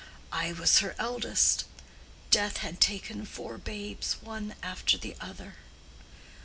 I was her eldest. Death had taken four babes one after the other.